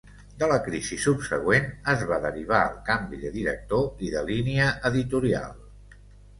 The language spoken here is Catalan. De la crisi subsegüent es va derivar el canvi de director i de línia editorial.